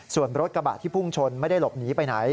ส่วนรถกระบะที่พุ่งชนไม่ได้หลบหนีไปไหน